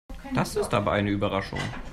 Das ist aber eine Überraschung.